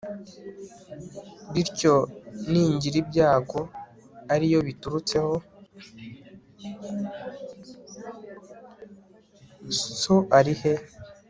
so ari he